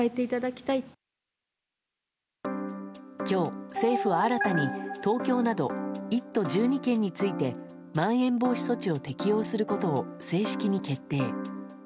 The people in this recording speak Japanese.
今日、政府は新たに東京など１都１２県についてまん延防止措置を適用することを正式に決定。